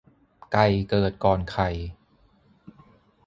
ไก่เกิดก่อนไข่